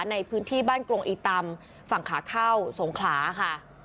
ในพื้นที่บ้านกรงอีตำฝั่งขาเข้าสงขลาค่ะ